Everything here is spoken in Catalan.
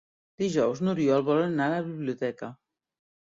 Dijous n'Oriol vol anar a la biblioteca.